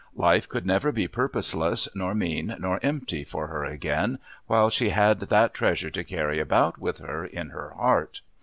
Life could never be purposeless nor mean nor empty for her again, while she had that treasure to carry about with her in her heart.